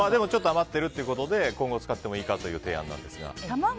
ちょっと余ってるということで今後、使ってもいいかという提案なんですが。